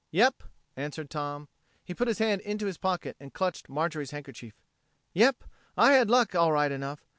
"Yep," answered Tom. He put his hand into his pocket and clutched Marjorie's handkerchief. "Yep, I had luck, all right enough.